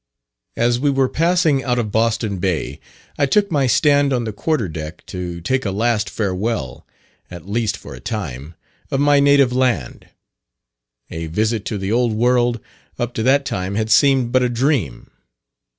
As we were passing out of Boston Bay, I took my stand on the quarter deck, to take a last farewell (at least for a time), of my native land. A visit to the old world, up to that time had seemed but a dream.